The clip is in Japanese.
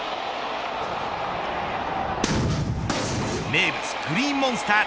名物グリーンモンスター